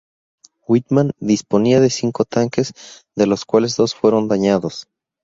Wittmann disponía de cinco tanques, de los cuales dos fueron dañados.